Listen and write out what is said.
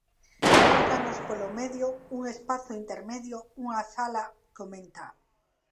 "Fáltanos, polo medio, un espazo intermedio, unha sala", comenta.